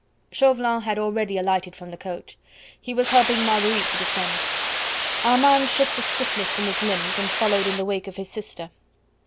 Chauvelin had already alighted from the coach. He was helping Marguerite to descend. Armand shook the stiffness from his limbs and followed in the wake of his sister.